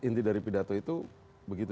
inti dari pidato itu begitu